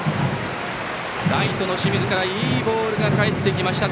ライトの清水からいいボールが返ってきました。